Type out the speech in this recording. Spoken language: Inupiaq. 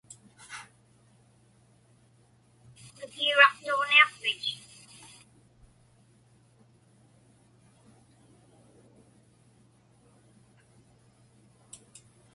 Kakiuraqtuġniaqpich?